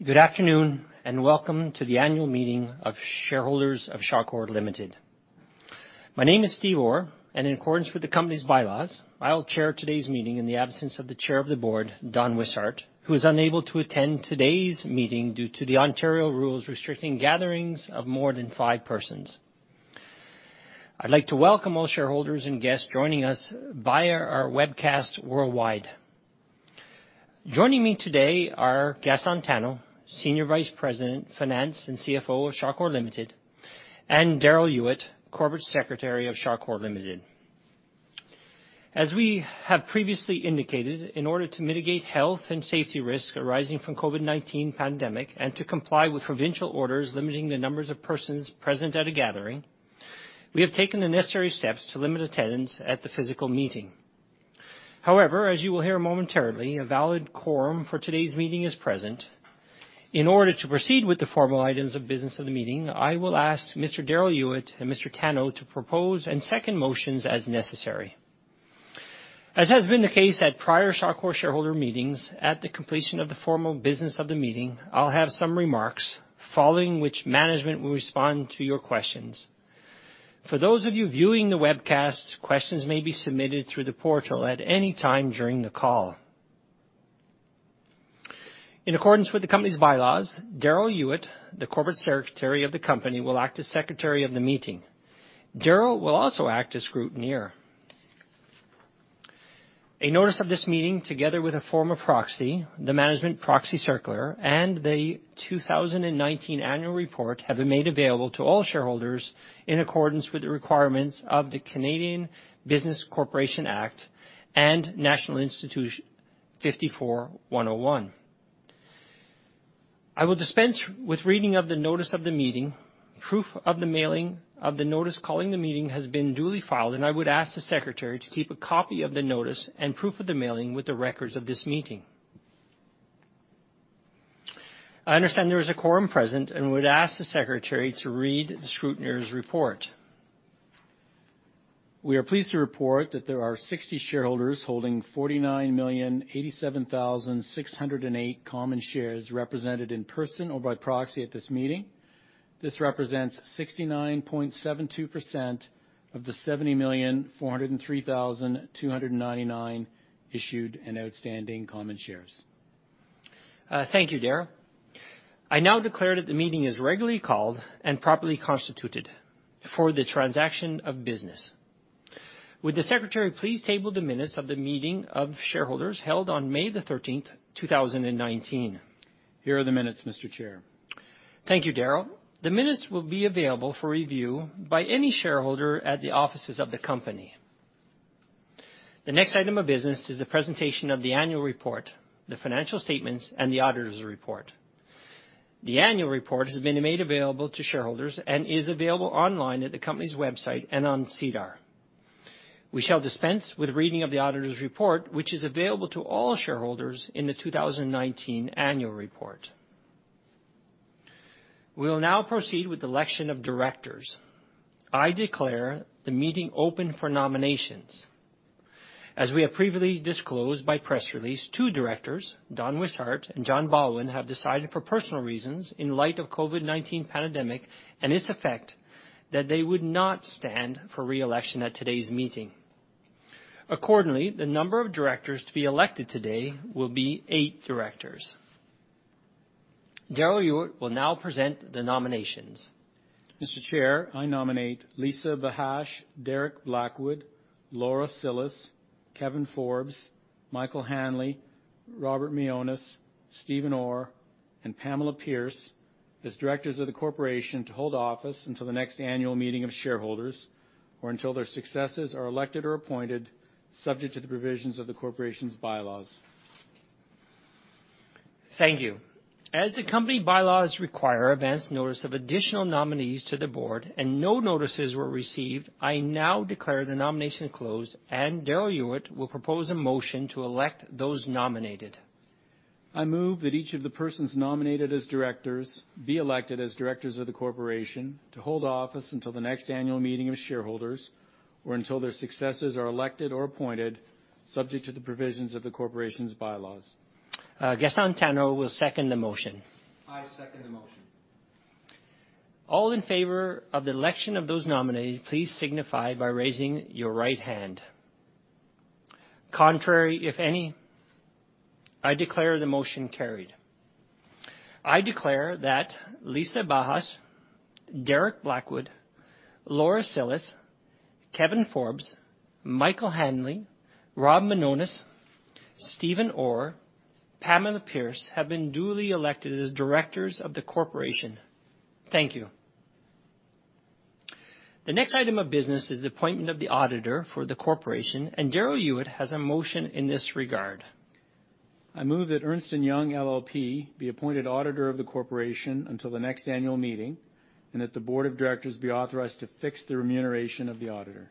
Good afternoon, and welcome to the annual meeting of shareholders of Shawcor Limited. My name is Steve Orr, and in accordance with the company's bylaws, I'll chair today's meeting in the absence of the chair of the board, Don Wishart, who is unable to attend today's meeting due to the Ontario rules restricting gatherings of more than five persons. I'd like to welcome all shareholders and guests joining us via our webcast worldwide. Joining me today are Gaston Tano, Senior Vice President, Finance, and CFO of Shawcor Limited, and Darrell Ewert, Corporate Secretary of Shawcor Limited. As we have previously indicated, in order to mitigate health and safety risk arising from COVID-19 pandemic, and to comply with provincial orders limiting the numbers of persons present at a gathering, we have taken the necessary steps to limit attendance at the physical meeting. However, as you will hear momentarily, a valid quorum for today's meeting is present. In order to proceed with the formal items of business of the meeting, I will ask Mr. Darrell Ewert and Mr. Gaston Tano to propose and second motions as necessary. As has been the case at prior Shawcor shareholder meetings, at the completion of the formal business of the meeting, I'll have some remarks, following which management will respond to your questions. For those of you viewing the webcast, questions may be submitted through the portal at any time during the call. In accordance with the company's bylaws, Darrell Ewert, the corporate secretary of the company, will act as secretary of the meeting. Darrell will also act as scrutineer. A notice of this meeting, together with a form of proxy, the management proxy circular, and the 2019 annual report, have been made available to all shareholders in accordance with the requirements of the Canada Business Corporations Act and National Instrument 54-101. I will dispense with reading of the notice of the meeting. Proof of the mailing of the notice calling the meeting has been duly filed, and I would ask the secretary to keep a copy of the notice and proof of the mailing with the records of this meeting. I understand there is a quorum present and would ask the secretary to read the scrutineer's report. We are pleased to report that there are 60 shareholders holding 49,087,608 common shares represented in person or by proxy at this meeting. This represents 69.72% of the 70,403,299 issued and outstanding common shares. Thank you, Darrell. I now declare that the meeting is regularly called and properly constituted for the transaction of business. Would the secretary please table the minutes of the meeting of shareholders held on May 13, 2019? Here are the minutes, Mr. Chair. Thank you, Darrell. The minutes will be available for review by any shareholder at the offices of the company. The next item of business is the presentation of the annual report, the financial statements, and the auditor's report. The annual report has been made available to shareholders and is available online at the company's website and on SEDAR. We shall dispense with reading of the auditor's report, which is available to all shareholders in the 2019 annual report. We will now proceed with the election of directors. I declare the meeting open for nominations. As we have previously disclosed by press release, two directors, Don Wishart and John Baldwin, have decided for personal reasons, in light of COVID-19 pandemic and its effect, that they would not stand for re-election at today's meeting. Accordingly, the number of directors to be elected today will be eight directors. Darrell Ewert will now present the nominations. Mr. Chair, I nominate Lisa Bahash, Derek Blackwood, Laura Cillis, Kevin Forbes, Michael Hanley, Robert Mionis, Steve Orr, and Pamela Pierce as directors of the corporation to hold office until the next annual meeting of shareholders or until their successors are elected or appointed, subject to the provisions of the corporation's bylaws. Thank you. As the company bylaws require advance notice of additional nominees to the board and no notices were received, I now declare the nomination closed, and Darrell Ewert will propose a motion to elect those nominated. I move that each of the persons nominated as directors be elected as directors of the corporation to hold office until the next annual meeting of shareholders, or until their successors are elected or appointed, subject to the provisions of the corporation's bylaws. Gaston Tano will second the motion. I second the motion. All in favor of the election of those nominated, please signify by raising your right hand. Contrary, if any? I declare the motion carried. I declare that Lisa Bahash, Derek Blackwood, Laura Cillis, Kevin Forbes, Michael Hanley, Rob Mionis, Steve Orr, Pamela Pierce, have been duly elected as directors of the corporation. Thank you. The next item of business is the appointment of the auditor for the corporation, and Darrell Ewert has a motion in this regard. I move that Ernst & Young LLP be appointed auditor of the corporation until the next annual meeting, and that the board of directors be authorized to fix the remuneration of the auditor.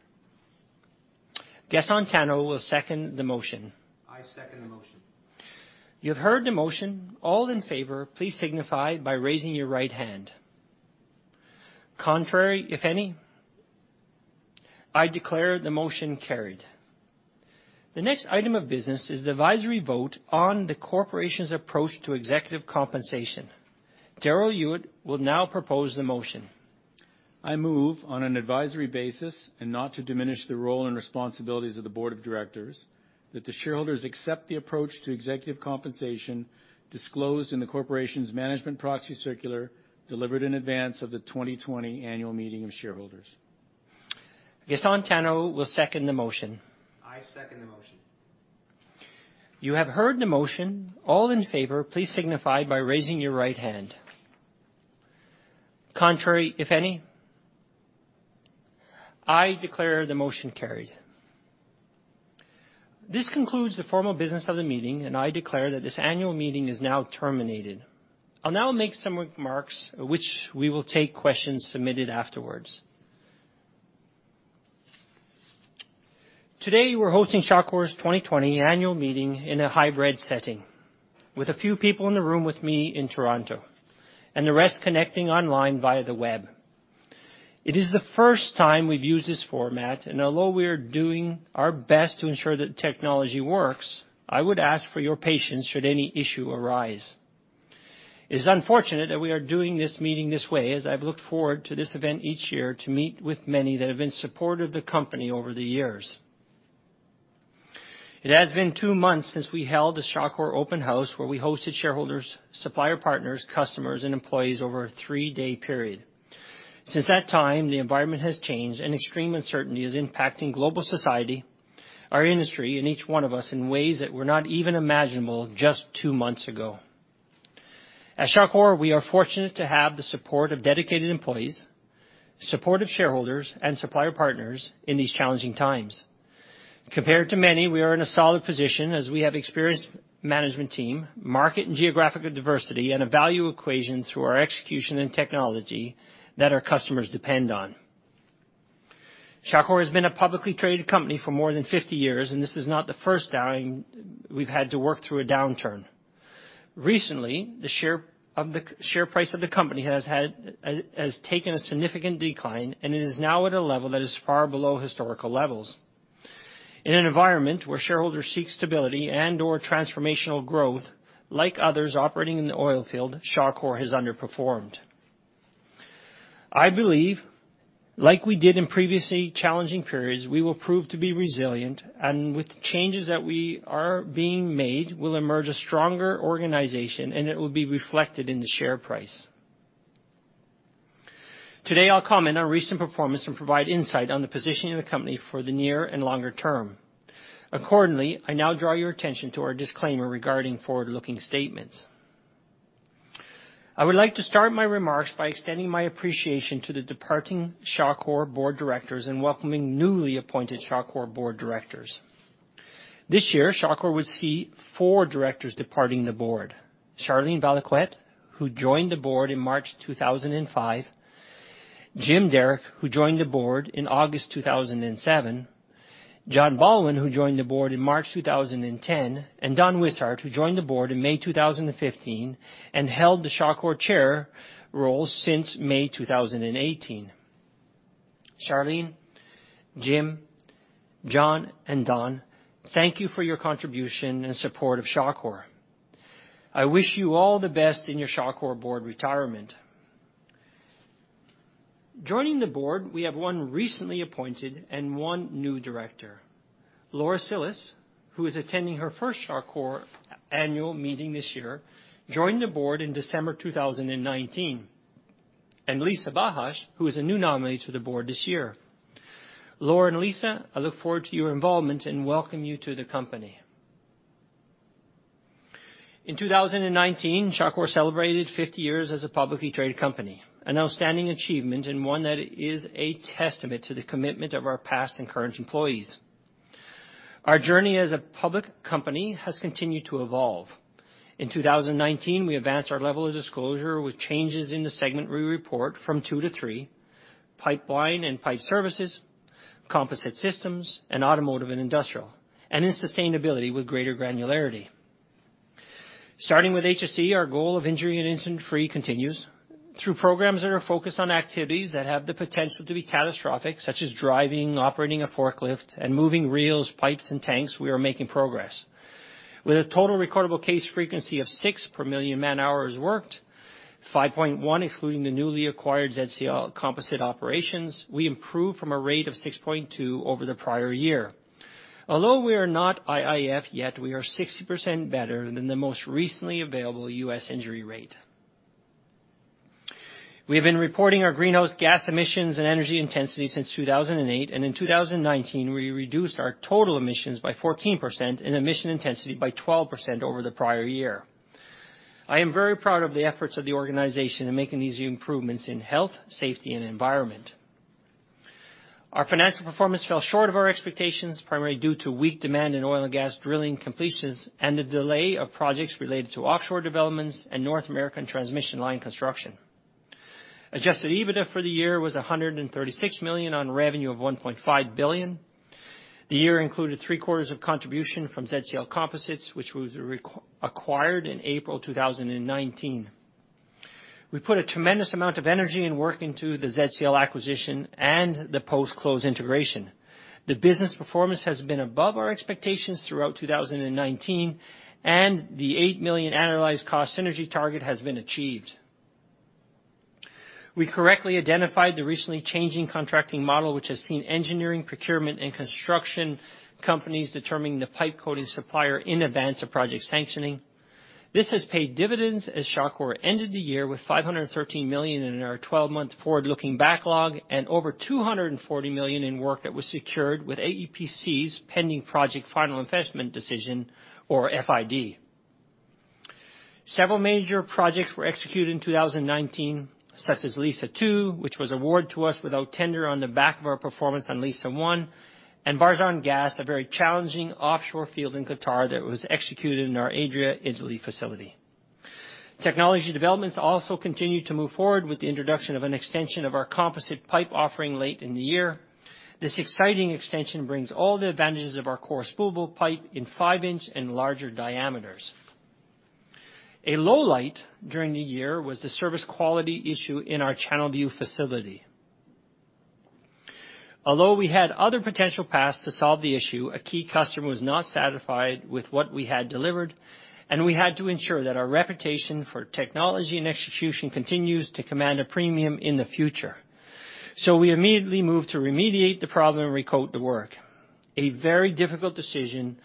Gaston Tano will second the motion. I second the motion. You've heard the motion. All in favor, please signify by raising your right hand. Contrary, if any? I declare the motion carried. The next item of business is the advisory vote on the corporation's approach to executive compensation. Darrell Ewert will now propose the motion. I move on an advisory basis, and not to diminish the role and responsibilities of the board of directors, that the shareholders accept the approach to executive compensation disclosed in the corporation's management proxy circular, delivered in advance of the 2020 annual meeting of shareholders. Gaston Tano will second the motion. I second the motion. You have heard the motion. All in favor, please signify by raising your right hand. Contrary, if any? I declare the motion carried. This concludes the formal business of the meeting, and I declare that this annual meeting is now terminated. I'll now make some remarks, which we will take questions submitted afterwards. Today, we're hosting Shawcor's 2020 annual meeting in a hybrid setting, with a few people in the room with me in Toronto and the rest connecting online via the web. It is the first time we've used this format, and although we are doing our best to ensure that the technology works, I would ask for your patience should any issue arise. It is unfortunate that we are doing this meeting this way, as I've looked forward to this event each year to meet with many that have been supportive of the company over the years. It has been two months since we held a Shawcor open house, where we hosted shareholders, supplier partners, customers, and employees over a three-day period. Since that time, the environment has changed, and extreme uncertainty is impacting global society, our industry, and each one of us in ways that were not even imaginable just two months ago. At Shawcor, we are fortunate to have the support of dedicated employees, supportive shareholders, and supplier partners in these challenging times. Compared to many, we are in a solid position as we have experienced management team, market and geographical diversity, and a value equation through our execution and technology that our customers depend on. Shawcor has been a publicly traded company for more than 50 years, and this is not the first time we've had to work through a downturn. Recently, the share price of the company has had, has taken a significant decline and it is now at a level that is far below historical levels. In an environment where shareholders seek stability and/or transformational growth, like others operating in the oil field, Shawcor has underperformed. I believe, like we did in previously challenging periods, we will prove to be resilient, and with changes that we are being made, we'll emerge a stronger organization, and it will be reflected in the share price. Today, I'll comment on recent performance and provide insight on the positioning of the company for the near and longer term. Accordingly, I now draw your attention to our disclaimer regarding forward-looking statements. I would like to start my remarks by extending my appreciation to the departing Shawcor Board of Directors and welcoming newly appointed Shawcor Board of Directors. This year, Shawcor will see four directors departing the board. Charlene Valiquette, who joined the board in March 2005, Jim Derrick, who joined the board in August 2007, John Baldwin, who joined the board in March 2010, and Don Wishart, who joined the board in May 2015 and held the Shawcor chair role since May 2018. Charlene, Jim, John, and Don, thank you for your contribution and support of Shawcor. I wish you all the best in your Shawcor board retirement. Joining the board, we have one recently appointed and one new director, Laura Cillis, who is attending her first Shawcor annual meeting this year, joined the board in December 2019, and Lisa Bahash, who is a new nominee to the board this year. Laura and Lisa, I look forward to your involvement and welcome you to the company. In 2019, Shawcor celebrated 50 years as a publicly traded company, an outstanding achievement and one that is a testament to the commitment of our past and current employees. Our journey as a public company has continued to evolve. In 2019, we advanced our level of disclosure with changes in the segment we report from 2 to 3: pipeline and pipe services, composite systems, and automotive and industrial, and in sustainability with greater granularity. Starting with HSE, our goal of injury and incident-free continues. Through programs that are focused on activities that have the potential to be catastrophic, such as driving, operating a forklift, and moving reels, pipes, and tanks, we are making progress. With a total recordable case frequency of 6 per million man-hours worked, 5.1, excluding the newly acquired ZCL Composites operations, we improved from a rate of 6.2 over the prior year. Although we are not IIF yet, we are 60% better than the most recently available U.S. injury rate. We have been reporting our greenhouse gas emissions and energy intensity since 2008, and in 2019, we reduced our total emissions by 14% and emission intensity by 12% over the prior year. I am very proud of the efforts of the organization in making these improvements in health, safety, and environment. Our financial performance fell short of our expectations, primarily due to weak demand in oil and gas drilling completions and the delay of projects related to offshore developments and North American transmission line construction. Adjusted EBITDA for the year was 136 million on revenue of 1.5 billion. The year included three-quarters of contribution from ZCL Composites, which was acquired in April 2019. We put a tremendous amount of energy and work into the ZCL acquisition and the post-close integration. The business performance has been above our expectations throughout 2019, and the 8 million annualized cost synergy target has been achieved. We correctly identified the recently changing contracting model, which has seen engineering, procurement, and construction companies determining the pipe coating supplier in advance of project sanctioning. This has paid dividends as Shawcor ended the year with 513 million in our 12-month forward-looking backlog and over 240 million in work that was secured with EPCs, pending project final investment decision or FID. Several major projects were executed in 2019, such as Liza 2, which was awarded to us without tender on the back of our performance on Liza 1, and Barzan Gas, a very challenging offshore field in Qatar that was executed in our Adria, Italy facility. Technology developments also continued to move forward with the introduction of an extension of our composite pipe offering late in the year. This exciting extension brings all the advantages of our core spoolable pipe in 5-inch and larger diameters. A low light during the year was the service quality issue in our Channelview facility. Although we had other potential paths to solve the issue, a key customer was not satisfied with what we had delivered, and we had to ensure that our reputation for technology and execution continues to command a premium in the future. So we immediately moved to remediate the problem and recoat the work. A very difficult decision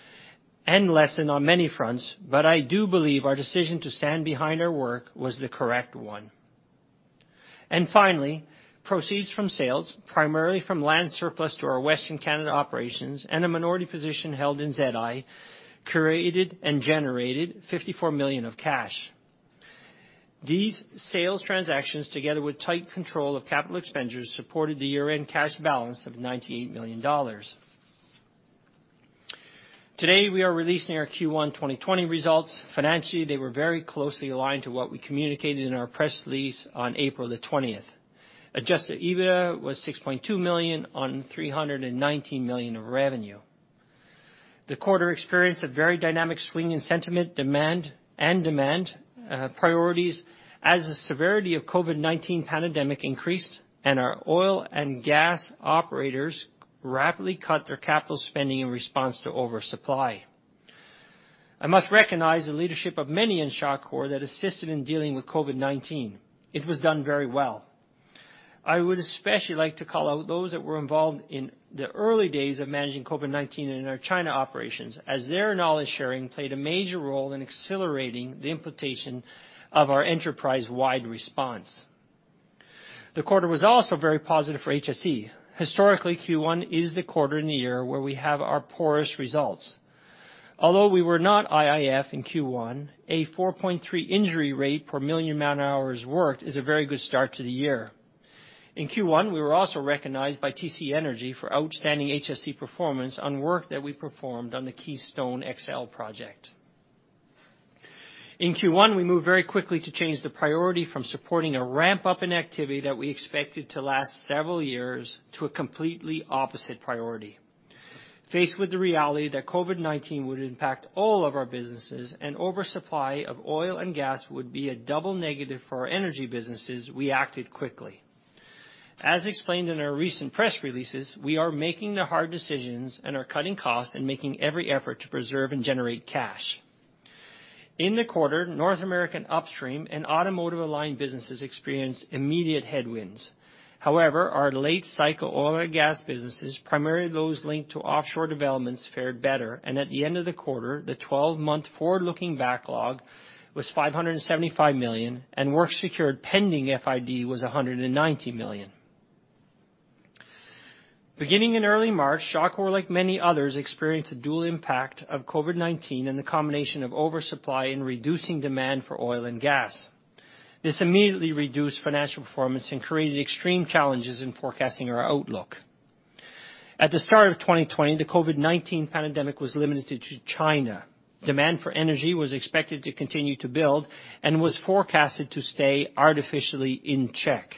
and lesson on many fronts, but I do believe our decision to stand behind our work was the correct one. And finally, proceeds from sales, primarily from land surplus to our Western Canada operations and a minority position held in Zedi, created and generated 54 million of cash. These sales transactions, together with tight control of capital expenditures, supported the year-end cash balance of 98 million dollars. Today, we are releasing our Q1 2020 results. Financially, they were very closely aligned to what we communicated in our press release on April 20th. Adjusted EBITDA was 6.2 million on 319 million of revenue. The quarter experienced a very dynamic swing in sentiment, demand, and priorities as the severity of COVID-19 pandemic increased and our oil and gas operators rapidly cut their capital spending in response to oversupply. I must recognize the leadership of many in Shawcor that assisted in dealing with COVID-19. It was done very well. I would especially like to call out those that were involved in the early days of managing COVID-19 in our China operations, as their knowledge-sharing played a major role in accelerating the implementation of our enterprise-wide response. The quarter was also very positive for HSE. Historically, Q1 is the quarter in the year where we have our poorest results. Although we were not IIF in Q1, a 4.3 injury rate per million man-hours worked is a very good start to the year. In Q1, we were also recognized by TC Energy for outstanding HSE performance on work that we performed on the Keystone XL project. In Q1, we moved very quickly to change the priority from supporting a ramp-up in activity that we expected to last several years to a completely opposite priority. Faced with the reality that COVID-19 would impact all of our businesses and oversupply of oil and gas would be a double negative for our energy businesses, we acted quickly. As explained in our recent press releases, we are making the hard decisions and are cutting costs and making every effort to preserve and generate cash. In the quarter, North American upstream and automotive-aligned businesses experienced immediate headwinds. However, our late-cycle oil and gas businesses, primarily those linked to offshore developments, fared better, and at the end of the quarter, the 12-month forward-looking backlog was 575 million, and work secured pending FID was 190 million. Beginning in early March, Shawcor, like many others, experienced a dual impact of COVID-19 and the combination of oversupply and reducing demand for oil and gas. This immediately reduced financial performance and created extreme challenges in forecasting our outlook. At the start of 2020, the COVID-19 pandemic was limited to China. Demand for energy was expected to continue to build and was forecasted to stay artificially in check.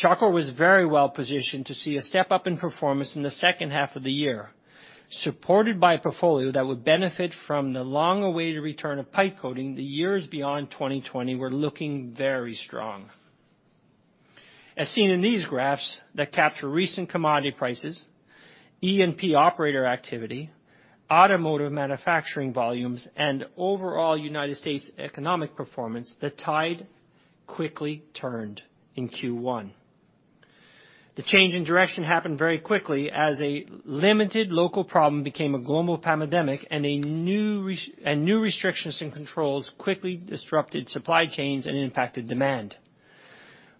Shawcor was very well positioned to see a step up in performance in the second half of the year, supported by a portfolio that would benefit from the long-awaited return of pipe coating. The years beyond 2020 were looking very strong. As seen in these graphs that capture recent commodity prices, E&P operator activity, automotive manufacturing volumes, and overall United States economic performance, the tide quickly turned in Q1. The change in direction happened very quickly as a limited local problem became a global pandemic and new restrictions and controls quickly disrupted supply chains and impacted demand.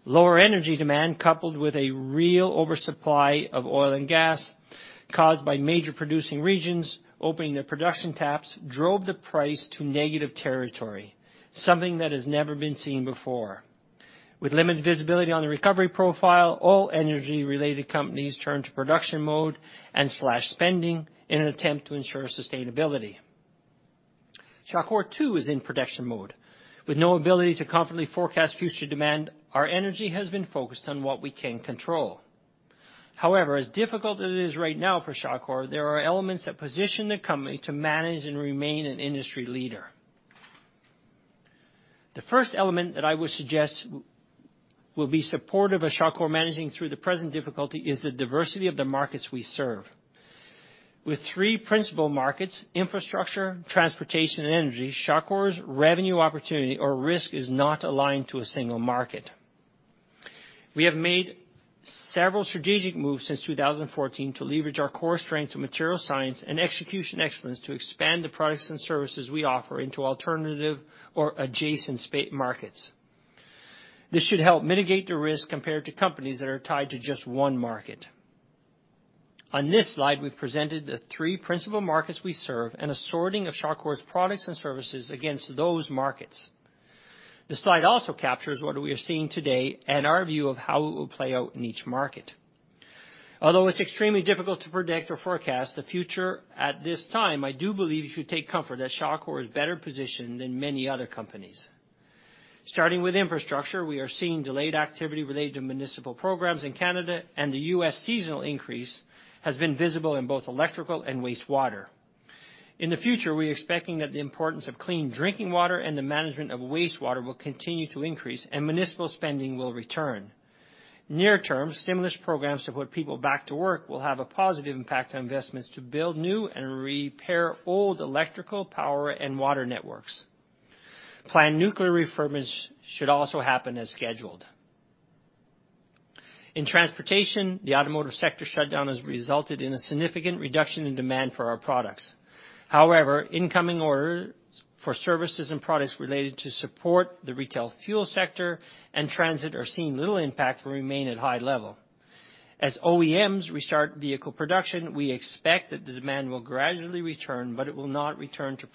Lower energy demand, coupled with a real oversupply of oil and gas caused by major producing regions opening their production taps, drove the price to negative territory, something that has never been seen before. With limited visibility on the recovery profile, all energy-related companies turned to production mode and slashed spending in an attempt to ensure sustainability. Shawcor, too, is in production mode. With no ability to confidently forecast future demand, our energy has been focused on what we can control. However, as difficult as it is right now for Shawcor, there are elements that position the company to manage and remain an industry leader. The first element that I would suggest will be supportive of Shawcor managing through the present difficulty is the diversity of the markets we serve. With three principal markets, infrastructure, transportation, and energy, Shawcor's revenue opportunity or risk is not aligned to a single market. We have made several strategic moves since 2014 to leverage our core strengths of material science and execution excellence to expand the products and services we offer into alternative or adjacent markets. This should help mitigate the risk compared to companies that are tied to just one market. On this slide, we've presented the three principal markets we serve and assortment of Shawcor's products and services against those markets. The slide also captures what we are seeing today and our view of how it will play out in each market. Although it's extremely difficult to predict or forecast the future at this time, I do believe you should take comfort that Shawcor is better positioned than many other companies. Starting with infrastructure, we are seeing delayed activity related to municipal programs in Canada, and the US seasonal increase has been visible in both electrical and wastewater. In the future, we're expecting that the importance of clean drinking water and the management of wastewater will continue to increase and municipal spending will return. Near term, stimulus programs to put people back to work will have a positive impact on investments to build new and repair old electrical, power, and water networks. Planned nuclear refurbishments should also happen as scheduled. In transportation, the automotive sector shutdown has resulted in a significant reduction in demand for our products. However, incoming orders for services and products related to support the retail fuel sector and transit are seeing little impact will remain at high level. As OEMs restart vehicle production, we expect that the demand will gradually return, but it will not return to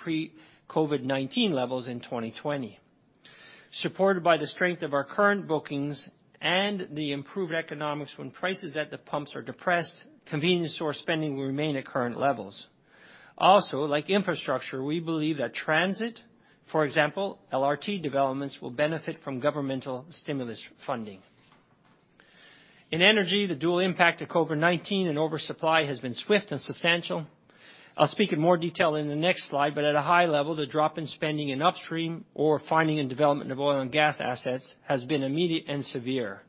pre-COVID-19 levels in 2020. Supported by the strength of our current bookings and the improved economics when prices at the pumps are depressed, convenience store spending will remain at current levels. Also, like infrastructure, we believe that transit, for example, LRT developments, will benefit from governmental stimulus funding. In energy, the dual impact of COVID-19 and oversupply has been swift and substantial. I'll speak in more detail in the next slide, but at a high level, the drop in spending in upstream or finding and development of oil and gas assets has been immediate and severe.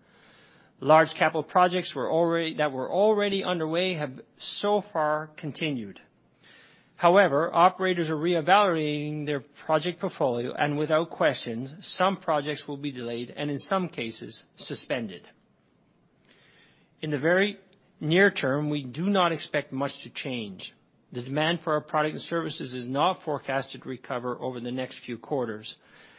Large capital projects that were already underway have so far continued. However, operators are reevaluating their project portfolio, and without question, some projects will be delayed and in some cases, suspended. In the very near term, we do not expect much to change. The demand for our product and services is not forecasted to recover over the next few quarters.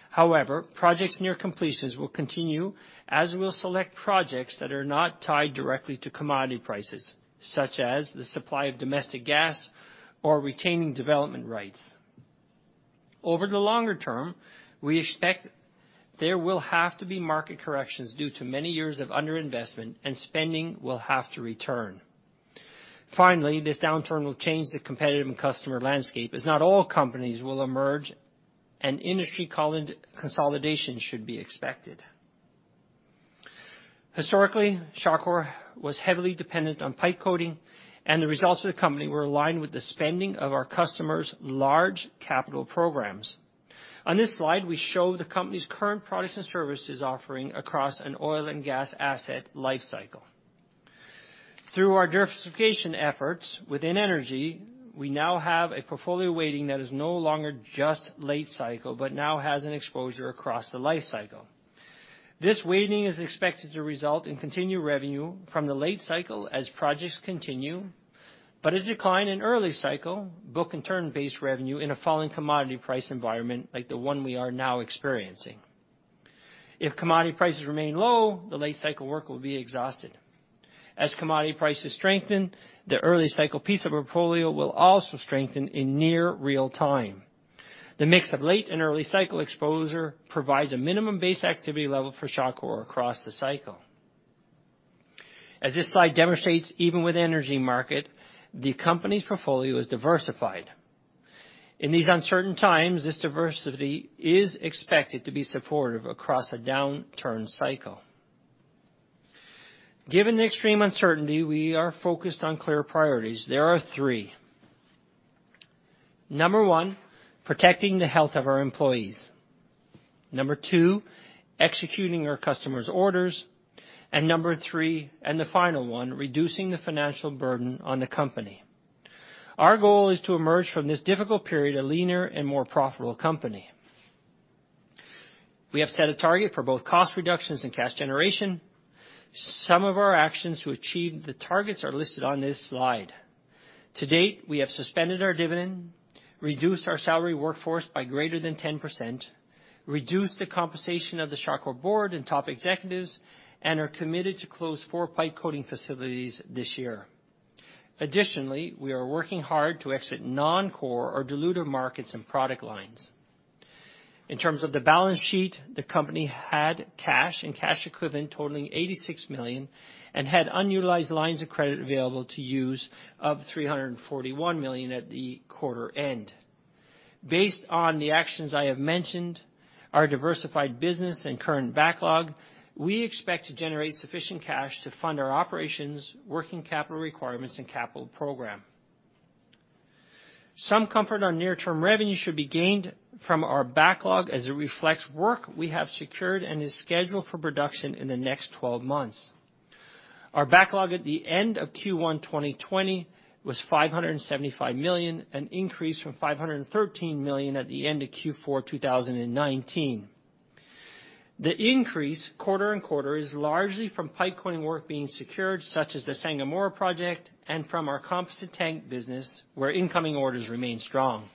However, projects near completions will continue as we'll select projects that are not tied directly to commodity prices, such as the supply of domestic gas or retaining development rights. Over the longer term, we expect there will have to be market corrections due to many years of underinvestment, and spending will have to return. Finally, this downturn will change the competitive and customer landscape, as not all companies will emerge and industry consolidation should be expected. Historically, Shawcor was heavily dependent on pipe coating, and the results of the company were aligned with the spending of our customers' large capital programs. On this slide, we show the company's current products and services offering across an oil and gas asset life cycle. Through our diversification efforts within energy, we now have a portfolio weighting that is no longer just late cycle, but now has an exposure across the life cycle. This weighting is expected to result in continued revenue from the late cycle as projects continue, but a decline in early cycle, book and turn-based revenue in a falling commodity price environment like the one we are now experiencing. If commodity prices remain low, the late cycle work will be exhausted. As commodity prices strengthen, the early cycle piece of our portfolio will also strengthen in near real time. The mix of late and early cycle exposure provides a minimum base activity level for Shawcor across the cycle. As this slide demonstrates, even with energy market, the company's portfolio is diversified. In these uncertain times, this diversity is expected to be supportive across a downturn cycle. Given the extreme uncertainty, we are focused on clear priorities. There are three. Number one, protecting the health of our employees. Number two, executing our customers' orders. Number three, and the final one, reducing the financial burden on the company. Our goal is to emerge from this difficult period a leaner and more profitable company. We have set a target for both cost reductions and cash generation. Some of our actions to achieve the targets are listed on this slide. To date, we have suspended our dividend, reduced our salary workforce by greater than 10%, reduced the compensation of the Shawcor board and top executives, and are committed to close four pipe coating facilities this year. Additionally, we are working hard to exit non-core or dilutive markets and product lines. In terms of the balance sheet, the company had cash and cash equivalents totaling 86 million and had unutilized lines of credit available to use of 341 million at the quarter end. Based on the actions I have mentioned, our diversified business and current backlog, we expect to generate sufficient cash to fund our operations, working capital requirements, and capital program. Some comfort on near-term revenue should be gained from our backlog as it reflects work we have secured and is scheduled for production in the next 12-months. Our backlog at the end of Q1 2020 was 575 million, an increase from 513 million at the end of Q4 2019. The increase quarter-over-quarter is largely from pipe coating work being secured, such as the Sangomar project and from our composite tank business, where incoming orders remain strong.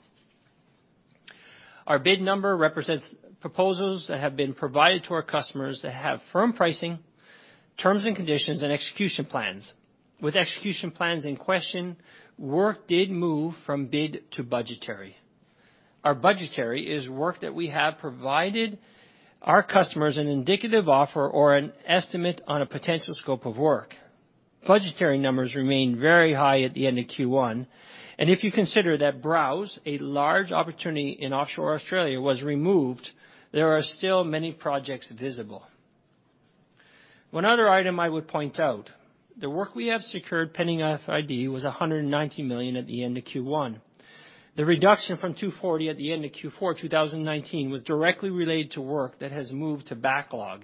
Our bid number represents proposals that have been provided to our customers that have firm pricing, terms and conditions, and execution plans. With execution plans in question, work did move from bid to budgetary. Our budgetary is work that we have provided our customers an indicative offer or an estimate on a potential scope of work. Budgetary numbers remain very high at the end of Q1, and if you consider that Browse, a large opportunity in offshore Australia, was removed, there are still many projects visible. One other item I would point out, the work we have secured pending FID was 190 million at the end of Q1. The reduction from 240 at the end of Q4 2019 was directly related to work that has moved to backlog.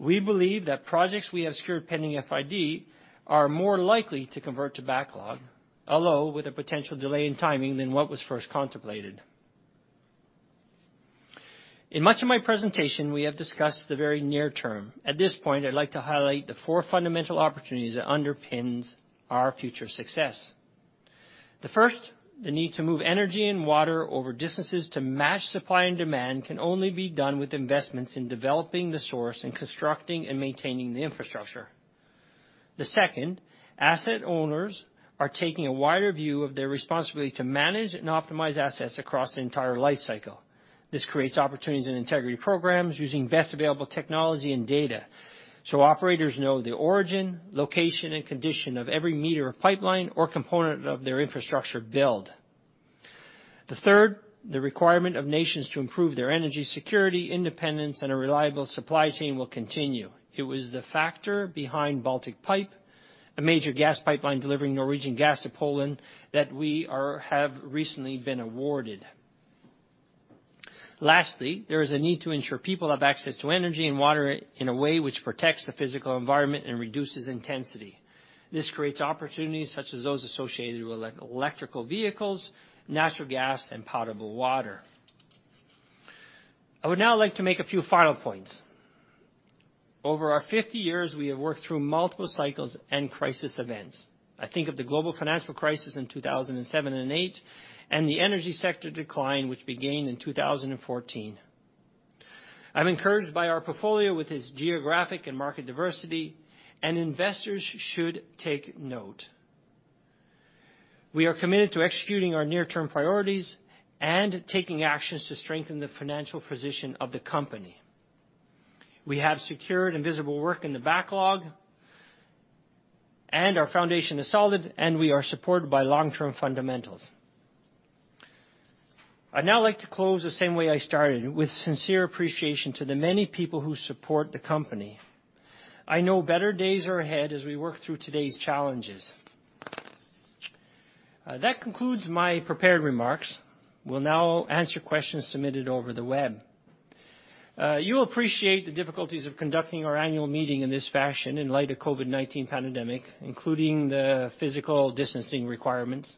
We believe that projects we have secured pending FID are more likely to convert to backlog, although with a potential delay in timing than what was first contemplated. In much of my presentation, we have discussed the very near term. At this point, I'd like to highlight the four fundamental opportunities that underpins our future success. The first, the need to move energy and water over distances to match supply and demand, can only be done with investments in developing the source and constructing and maintaining the infrastructure. The second, asset owners are taking a wider view of their responsibility to manage and optimize assets across the entire life cycle. This creates opportunities in integrity programs using best available technology and data, so operators know the origin, location, and condition of every meter of pipeline or component of their infrastructure build. The third, the requirement of nations to improve their energy security, independence, and a reliable supply chain will continue. It was the factor behind Baltic Pipe, a major gas pipeline delivering Norwegian gas to Poland, that we have recently been awarded. Lastly, there is a need to ensure people have access to energy and water in a way which protects the physical environment and reduces intensity. This creates opportunities such as those associated with electrical vehicles, natural gas, and potable water. I would now like to make a few final points. Over our 50 years, we have worked through multiple cycles and crisis events. I think of the global financial crisis in 2007 and 2008, and the energy sector decline, which began in 2014. I'm encouraged by our portfolio with its geographic and market diversity, and investors should take note. We are committed to executing our near-term priorities and taking actions to strengthen the financial position of the company. We have secured and visible work in the backlog, and our foundation is solid, and we are supported by long-term fundamentals. I'd now like to close the same way I started, with sincere appreciation to the many people who support the company. I know better days are ahead as we work through today's challenges. That concludes my prepared remarks. We'll now answer questions submitted over the web. You'll appreciate the difficulties of conducting our annual meeting in this fashion in light of COVID-19 pandemic, including the physical distancing requirements.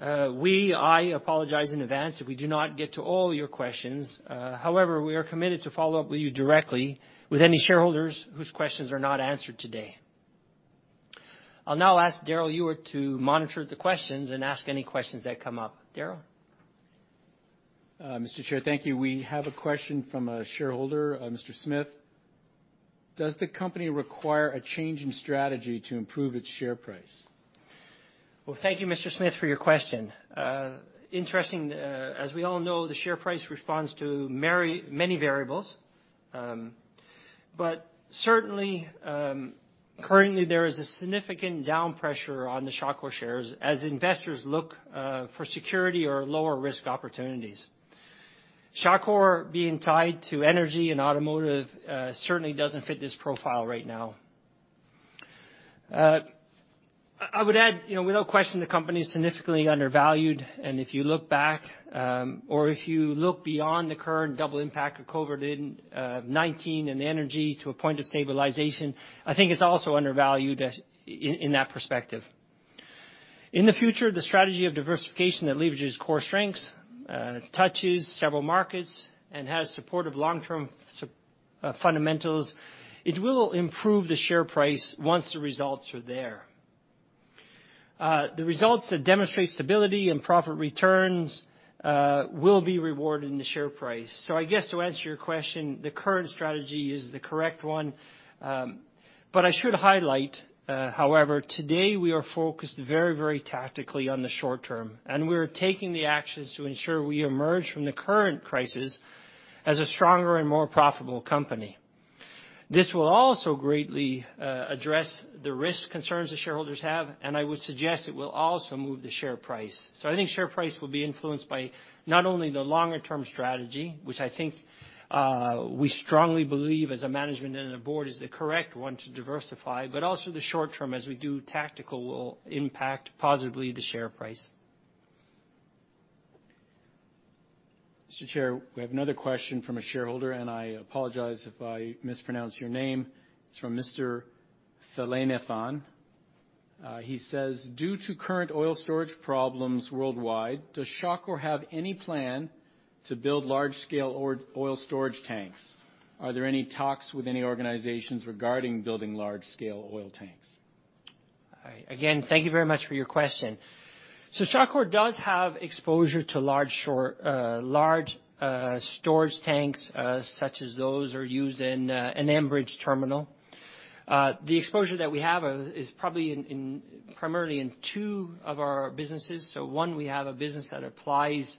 We, I apologize in advance if we do not get to all your questions. However, we are committed to follow up with you directly with any shareholders whose questions are not answered today. I'll now ask Darrell Ewert to monitor the questions and ask any questions that come up. Darrell? Mr. Chair, thank you. We have a question from a shareholder, Mr. Smith: Does the company require a change in strategy to improve its share price? Well, thank you, Mr. Smith, for your question. Interesting, as we all know, the share price responds to many variables. But certainly, currently, there is a significant down pressure on the Shawcor shares as investors look for security or lower-risk opportunities. Shawcor being tied to energy and automotive, certainly doesn't fit this profile right now. I would add, you know, without question, the company is significantly undervalued, and if you look back, or if you look beyond the current double impact of COVID-19 and energy to a point of stabilization, I think it's also undervalued in that perspective. In the future, the strategy of diversification that leverages core strengths touches several markets and has supportive long-term fundamentals, it will improve the share price once the results are there. The results that demonstrate stability and profit returns will be rewarded in the share price. So I guess, to answer your question, the current strategy is the correct one, but I should highlight, however, today we are focused very, very tactically on the short term, and we are taking the actions to ensure we emerge from the current crisis as a stronger and more profitable company. This will also greatly address the risk concerns the shareholders have, and I would suggest it will also move the share price. So I think share price will be influenced by not only the longer-term strategy, which I think, we strongly believe as a management and a board is the correct one to diversify, but also the short term, as we do tactical, will impact positively the share price. Mr. Chair, we have another question from a shareholder, and I apologize if I mispronounce your name. It's from Mr. Thalenethan. He says, due to current oil storage problems worldwide, does Shawcor have any plan to build large-scale offshore oil storage tanks? Are there any talks with any organizations regarding building large-scale oil tanks? All right. Again, thank you very much for your question. So Shawcor does have exposure to offshore storage tanks such as those are used in an Enbridge terminal. The exposure that we have is probably primarily in two of our businesses. So one, we have a business that applies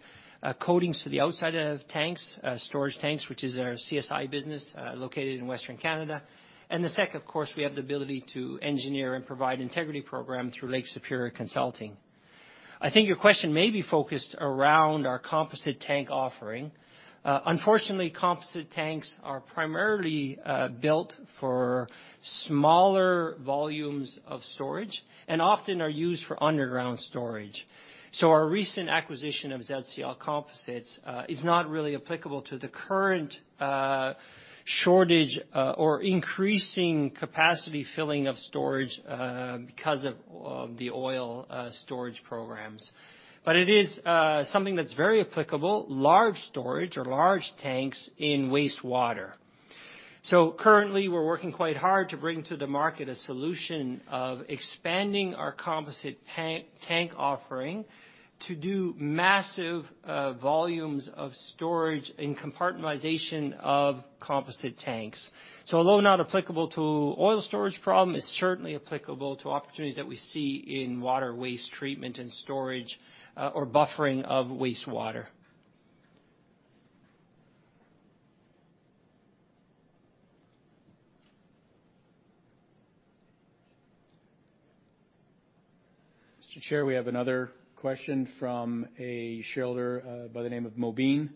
coatings to the outside of tanks, storage tanks, which is our CSI business located in Western Canada. And the second, of course, we have the ability to engineer and provide integrity program through Lake Superior Consulting. I think your question may be focused around our composite tank offering. Unfortunately, composite tanks are primarily built for smaller volumes of storage and often are used for underground storage. Our recent acquisition of ZCL Composites is not really applicable to the current shortage or increasing capacity filling of storage because of the oil storage programs. But it is something that's very applicable, large storage or large tanks in wastewater. Currently, we're working quite hard to bring to the market a solution of expanding our composite tank offering to do massive volumes of storage and compartmentalization of composite tanks. Although not applicable to oil storage problem, it's certainly applicable to opportunities that we see in water waste treatment and storage or buffering of wastewater. Mr. Chair, we have another question from a shareholder by the name of Mobine.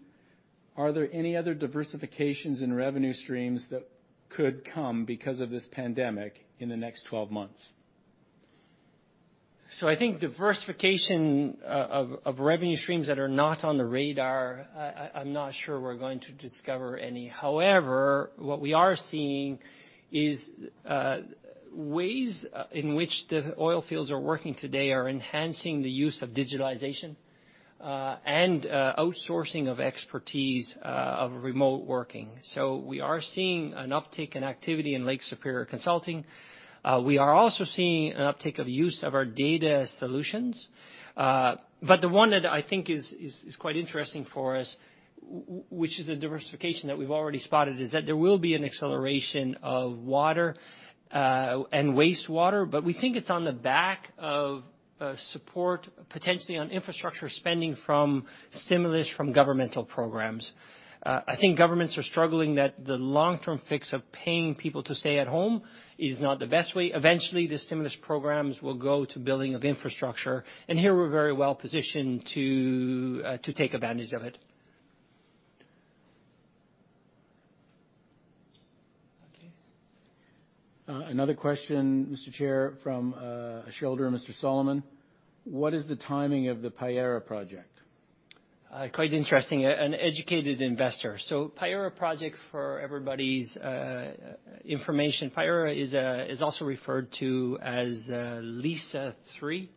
Are there any other diversifications in revenue streams that could come because of this pandemic in the next 12 months? So I think diversification of revenue streams that are not on the radar, I’m not sure we’re going to discover any. However, what we are seeing is ways in which the oil fields are working today are enhancing the use of digitalization and outsourcing of expertise of remote working. So we are seeing an uptick in activity in Lake Superior Consulting. We are also seeing an uptick of use of our data solutions. But the one that I think is quite interesting for us, which is a diversification that we’ve already spotted, is that there will be an acceleration of water and wastewater. But we think it’s on the back of support, potentially on infrastructure spending from stimulus from governmental programs. I think governments are struggling, that the long-term fix of paying people to stay at home is not the best way. Eventually, the stimulus programs will go to building of infrastructure, and here we're very well positioned to take advantage of it. Okay. Another question, Mr. Chair, from a shareholder, Mr. Solomon, what is the timing of the Payara project? Quite interesting, an educated investor. So Payara project, for everybody's information, Payara is also referred to as Liza 3.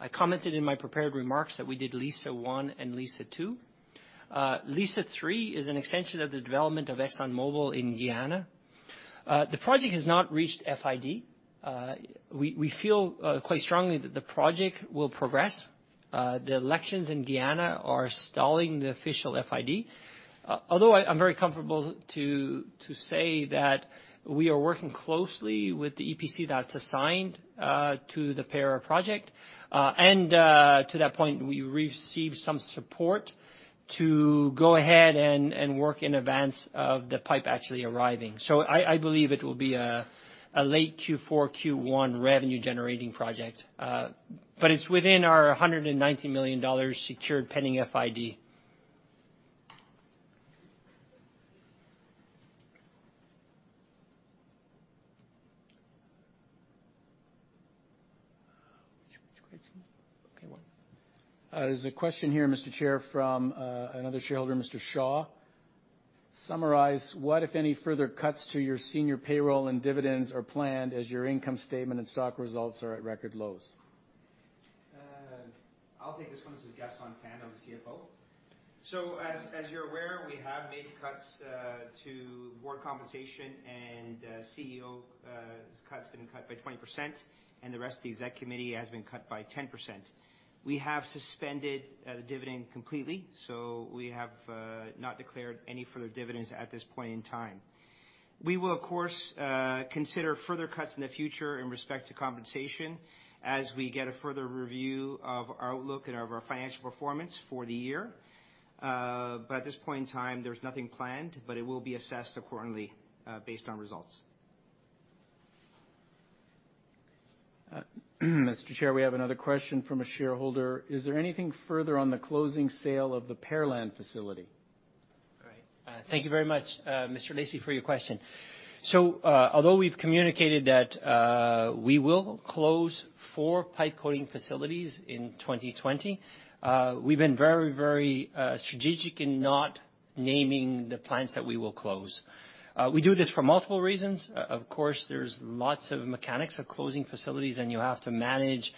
I commented in my prepared remarks that we did Liza 1 and Liza 2. Liza 3 is an extension of the development of ExxonMobil in Guyana. The project has not reached FID. We feel quite strongly that the project will progress. The elections in Guyana are stalling the official FID. Although I'm very comfortable to say that we are working closely with the EPC that's assigned to the Payara project. And to that point, we received some support to go ahead and work in advance of the pipe actually arriving. So I believe it will be a late Q4, Q1 revenue-generating project. It's within our $190 million secured pending FID. There's a question here, Mr. Chair, from another shareholder, Mr. Shaw. Summarize what, if any, further cuts to your senior payroll and dividends are planned as your income statement and stock results are at record lows? I'll take this one. This is Gaston Tano, I'm the CFO. So as you're aware, we have made cuts to board compensation and CEO cuts been cut by 20%, and the rest of the exec committee has been cut by 10%. We have suspended the dividend completely, so we have not declared any further dividends at this point in time. We will, of course, consider further cuts in the future in respect to compensation as we get a further review of our outlook and of our financial performance for the year. But at this point in time, there's nothing planned, but it will be assessed accordingly, based on results. Mr. Chair, we have another question from a shareholder: Is there anything further on the closing sale of the Pearland facility? All right. Thank you very much, Mr. Lacy, for your question. So, although we've communicated that we will close four pipe coating facilities in 2020, we've been very, very strategic in not naming the plants that we will close. We do this for multiple reasons. Of course, there's lots of mechanics of closing facilities, and you have to manage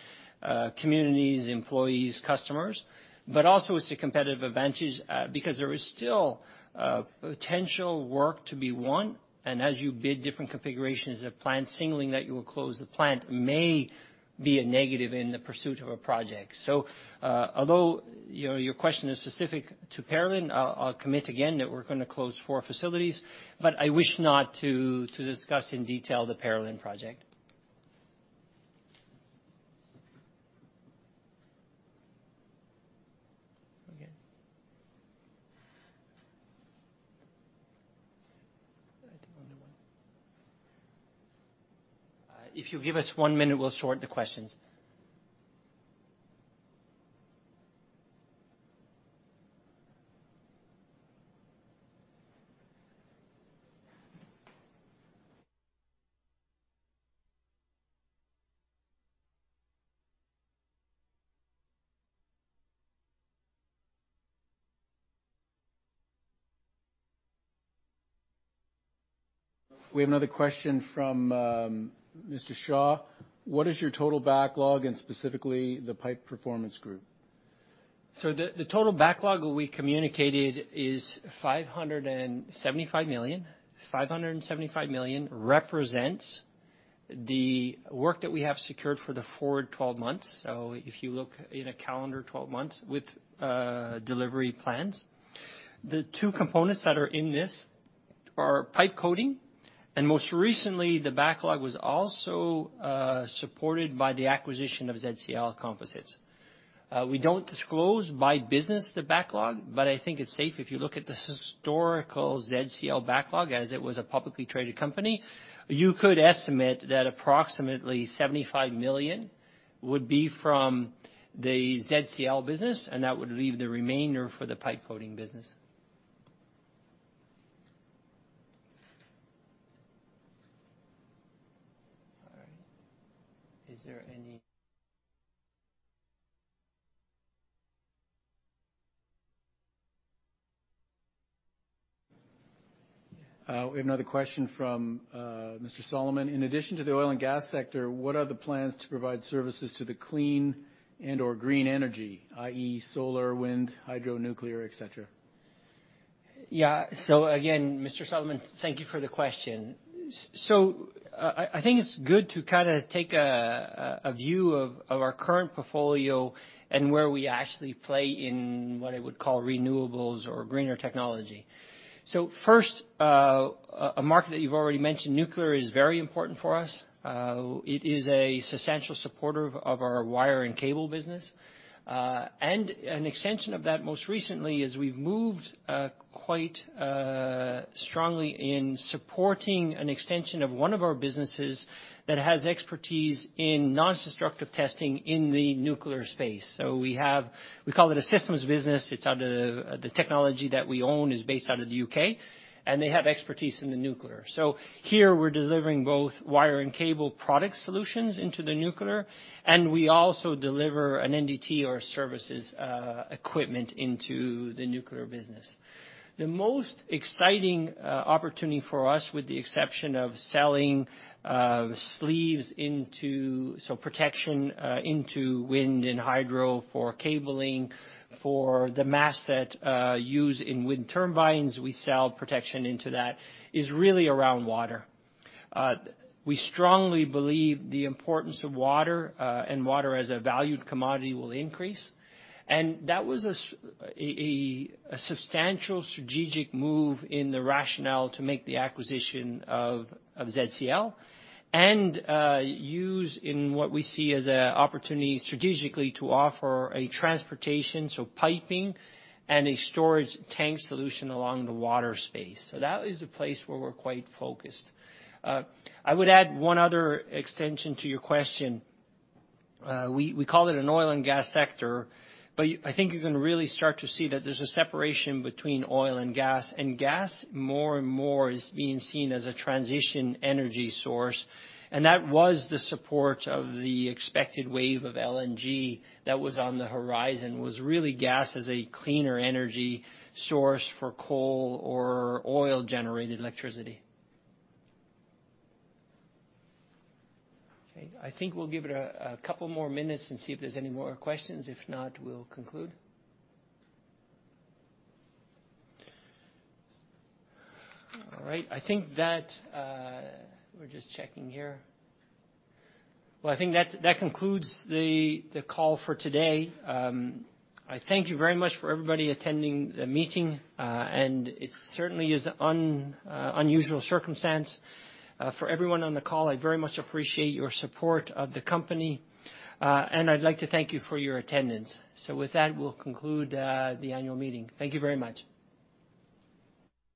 communities, employees, customers. But also, it's a competitive advantage because there is still potential work to be won, and as you bid different configurations of plant, signaling that you will close the plant may be a negative in the pursuit of a project. So, although, you know, your question is specific to Pearland, I'll commit again that we're gonna close four facilities, but I wish not to discuss in detail the Pearland project. Okay. If you give us one minute, we'll sort the questions. We have another question from, Mr. Shaw: What is your total backlog, and specifically, the pipe performance group? So the total backlog that we communicated is 575 million. 575 million represents the work that we have secured for the forward 12 months, so if you look in a calendar, 12 months with delivery plans. The two components that are in this are pipe coating, and most recently, the backlog was also supported by the acquisition of ZCL Composites. We don't disclose by business the backlog, but I think it's safe if you look at the historical ZCL backlog as it was a publicly traded company, you could estimate that approximately 75 million would be from the ZCL business, and that would leave the remainder for the pipe coating business. All right. Is there any- We have another question from Mr. Solomon, in addition to the oil and gas sector, what are the plans to provide services to the clean and/or green energy, i.e., solar, wind, hydro, nuclear, et cetera? Yeah. So again, Mr. Solomon, thank you for the question. So I think it's good to kinda take a view of our current portfolio and where we actually play in what I would call renewables or greener technology. So first, a market that you've already mentioned, nuclear, is very important for us. It is a substantial supporter of our wire and cable business. And an extension of that, most recently, is we've moved quite strongly in supporting an extension of one of our businesses that has expertise in non-destructive testing in the nuclear space. So we have—we call it a systems business. It's under the technology that we own is based out of the U.K., and they have expertise in the nuclear. So here, we're delivering both wire and cable product solutions into the nuclear, and we also deliver an NDT or services, equipment into the nuclear business. The most exciting, opportunity for us, with the exception of selling, sleeves into- so protection, into wind and hydro for cabling, for the masts that, use in wind turbines, we sell protection into that, is really around water. We strongly believe the importance of water, and water as a valued commodity will increase, and that was a substantial strategic move in the rationale to make the acquisition of, of ZCL. And, use in what we see as a opportunity strategically to offer a transportation, so piping and a storage tank solution along the water space. So that is a place where we're quite focused. I would add one other extension to your question. We call it an oil and gas sector, but I think you're gonna really start to see that there's a separation between oil and gas, and gas more and more is being seen as a transition energy source. And that was the support of the expected wave of LNG that was on the horizon, was really gas as a cleaner energy source for coal or oil-generated electricity. Okay, I think we'll give it a couple more minutes and see if there's any more questions. If not, we'll conclude. All right, I think that- we're just checking here. Well, I think that concludes the call for today. I thank you very much for everybody attending the meeting, and it certainly is an unusual circumstance. For everyone on the call, I very much appreciate your support of the company, and I'd like to thank you for your attendance. With that, we'll conclude the annual meeting. Thank you very much.